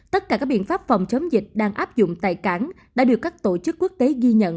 tất cả các biện pháp phòng chống dịch đang áp dụng tại cảng đã được các tổ chức quốc tế ghi nhận